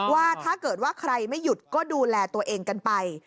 ว่าถ้าเกิดว่าใครไม่หยุดก็ดูแลตัวเองกันไป